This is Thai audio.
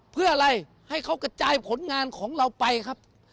เพื่ออะไรให้เขากระจายผลงานของเราไปครับ